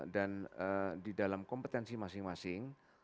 dan di dalam kompetensi masing masing